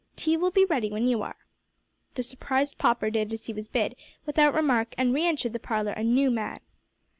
Tea will be ready when you are." The surprised pauper did as he was bid, without remark, and re entered the parlour a new man!